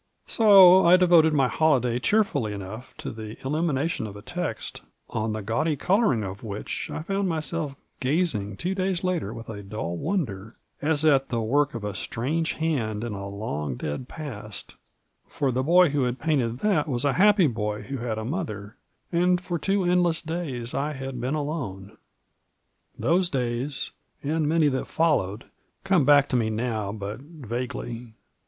So I devoted my holiday cheerfully enough to the illumination of a text, on the gaudy coloring of which I found myself gazing two days later with a dull wonder, as at the work of a strange hand in a long dead past, for the boy who had painted that was a happy boy who had a mother, and for two endless days I had been alone. Those days, and many that followed, come back to me now but vaguely.